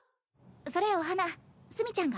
それお花墨ちゃんが。